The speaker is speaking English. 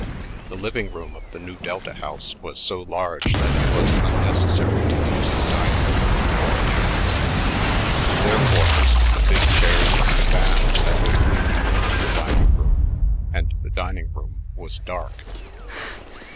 The living room of the Nu Delta house was so large that it was unnecessary to use the dining room for a dance. Therefore, most of the big chairs and divans had been moved into the dining room and the dining room was dark.